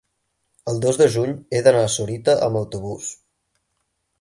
El dos de juny he d'anar a Sorita amb autobús.